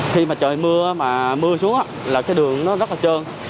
khi mà trời mưa mà mưa xuống là cái đường nó rất là trơn